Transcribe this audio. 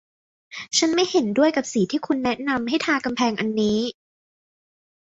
ฉันไม่เห็นด้วยกับสีที่คุณแนะนำให้ทากำแพงอันนี้